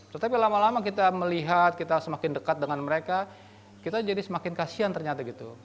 tetapi lama lama kita melihat kita semakin dekat dengan mereka kita jadi semakin kasian ternyata gitu